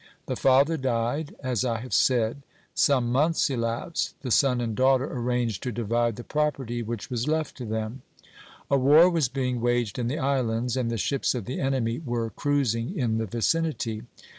The father died, as I have said ; some months elapsed, the son and daughter arranged to divide the property which was left to them. A war was being waged in the islands, and the ships of the enemy were cruising in the vicinity.